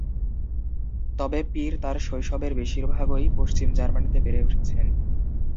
তবে পির তার শৈশবের বেশিরভাগই পশ্চিম জার্মানিতে বেড়ে উঠেছেন।